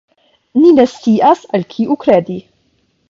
Ni ne scias, al kiu kredi.